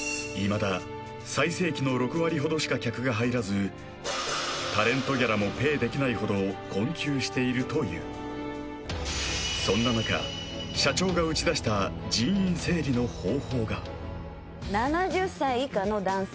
まだ最盛期の６割ほどしか客が入らずタレントギャラもペイできないほど困窮しているというそんな中あっそうしているんだ決まりでね